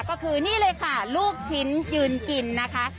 ก็คือนี่เลยค่ะลูกชิ้นยืนกินนะคะ